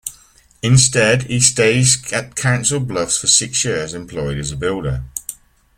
Instead, he stayed at Council Bluffs for six years employed as a builder.